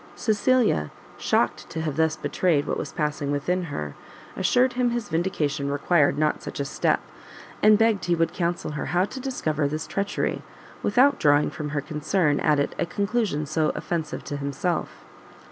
Cecilia, shocked to have thus betrayed what was passing within her, assured him his vindication required not such a step, and begged he would counsel her how to discover this treachery, without drawing from her concern at it a conclusion so offensive to himself.